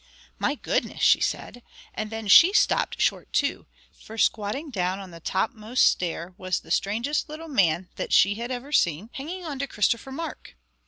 "My goodness!" she said, and then she stopped short too, for squatting down on the topmost stair was the strangest little man that she had ever seen, hanging on to Christopher Mark.